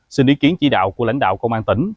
xin ý kiến chỉ đạo của lãnh đạo công an tỉnh